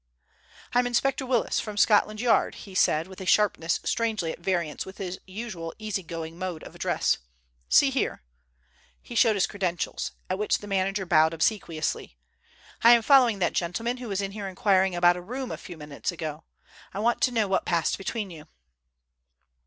"I'm Inspector Willis from Scotland Yard," he said with a sharpness strangely at variance with his usual easy going mode of address. "See here." He showed his credentials, at which the manager bowed obsequiously. "I am following that gentleman who was in here inquiring about a room a few minutes ago. I want to know what passed between you."